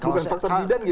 bukan faktor zidane